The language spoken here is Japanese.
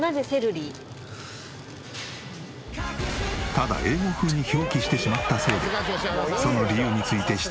ただ英語風に表記してしまったせいでその理由について質問攻めを受ける店員さん。